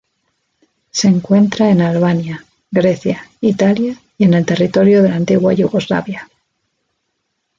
Se encuentra en Albania, Grecia, Italia y en el territorio de la antigua Yugoslavia.